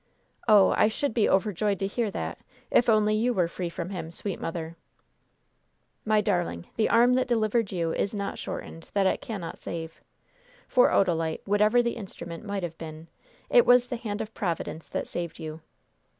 "Oh, I should be overjoyed to hear that, if only you were free from him, sweet mother!" "My darling, the arm that delivered you is not shortened that it cannot save. For, Odalite, whatever the instrument might have been, it was the hand of Providence that saved you."